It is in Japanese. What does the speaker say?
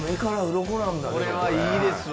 これはいいですわ。